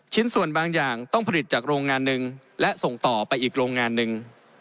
ชิ้นส่วนบางอย่างต้องผลิตจากโรงงานหนึ่งและส่งต่อไปอีกโรงงานหนึ่ง